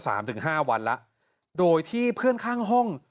ชีวิตมา๓๕วันและโดยที่เพื่อนข้างห้อง